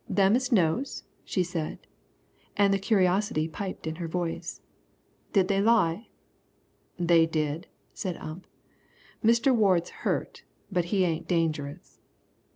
"Them as knows," she said. And the curiosity piped in her voice. "Did they lie?" "They did," said Ump; "Mister Ward's hurt, but he ain't dangerous."